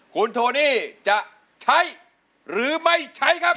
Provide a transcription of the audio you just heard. คุณโทนี่จะใช้หรือไม่ใช้ครับ